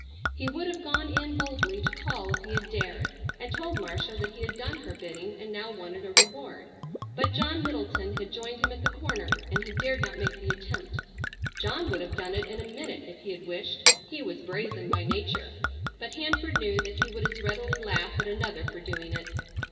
He would have gone in boldly to call if he had dared, and told Marcia that he had done her bidding and now wanted a reward, but John Middleton had joined him at the corner and he dared not make the attempt. John would have done it in a minute if he had wished. He was brazen by nature, but Hanford knew that he would as readily laugh at another for doing it.